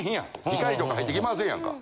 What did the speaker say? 光とか入ってきませんやんか。